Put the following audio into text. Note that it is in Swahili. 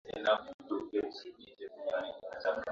huenda idadi ya vifo ikawa kubwa zaidi